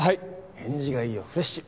返事がいいよフレッシュ。